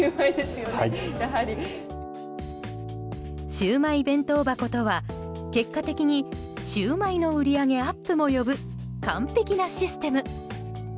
シウマイ弁当箱とは結果的にシウマイの売り上げアップも呼ぶ完璧なシステム。